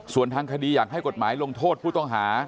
ส่วนทางคดีอยากให้กฎหมายลงโทษผู้ต้องหา